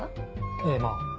ええまぁ。